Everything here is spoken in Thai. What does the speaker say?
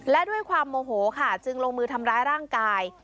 และด้วยความโมโหค่ะจึงลงมือทำร้ายร่างกาย